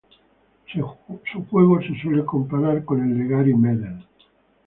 Su juego se suele comparar con el de Gary Medel.